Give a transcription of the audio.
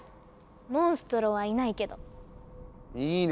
モンストロはいないけど。いいね！